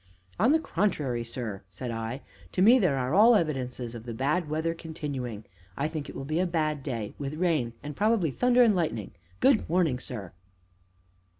"On the contrary, sir," said I, "to me there are all the evidences of the bad weather continuing. I think it will be a bad day, with rain and probably thunder and lightning! Good morning, sir!"